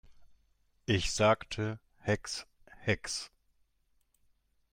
Ich sagte: Hex, hex!